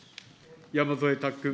山添拓君。